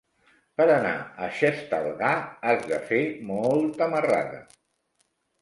Per anar a Xestalgar has de fer molta marrada.